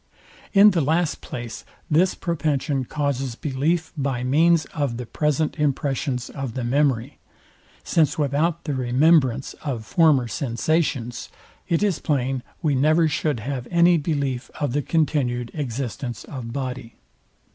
In the last place this propension causes belief by means of the present impressions of the memory; since without the remembrance of former sensations, it is plain we never should have any belief of the continued existence of body.